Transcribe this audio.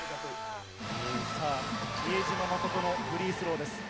さあ、比江島慎のフリースローです。